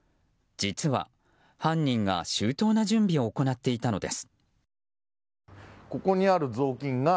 実は、犯人が周到な準備を行っていたのです。